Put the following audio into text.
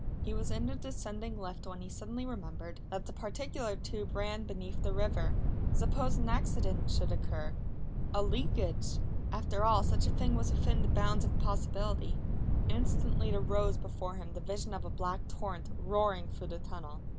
He was in the descending lift when he suddenly remembered that that particular tube ran beneath the river. Suppose an accident should occur a leakage! After all such a thing was within the bounds of possibility. Instantly there rose before him the vision of a black torrent roaring through the tunnel.